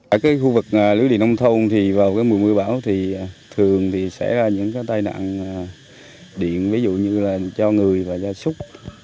ở cái khu vực lưu địa nông thôn thì vào cái mùa mưa bão thì thường thì sẽ ra những cái tai nạn điện ví dụ như là cho người và cho súc